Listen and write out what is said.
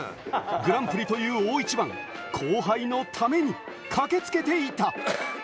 グランプリという大一番、後輩のために駆けつけていた。